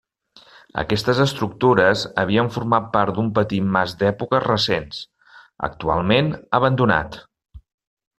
Aquestes estructures havien format part d'un petit mas d'èpoques recents, actualment abandonat.